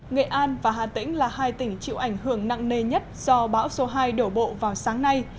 nghệ an và hà tĩnh là hai tỉnh chịu ảnh hưởng nặng nề nhất do bão số hai đổ bộ vào sáng nay